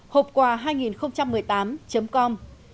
hộp quà hai nghìn một mươi tám com